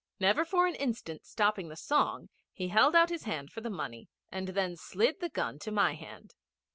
Never for an instant stopping the song he held out his hand for the money, and then slid the gun to my hand.